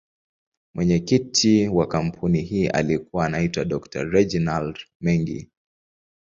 Mwenyekiti wa kampuni hii alikuwa anaitwa Dr.Reginald Mengi.